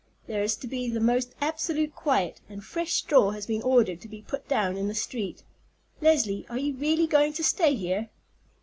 There is to be the most absolute quiet, and fresh straw has been ordered to be put down in the street. Leslie, are you really going to stay here?"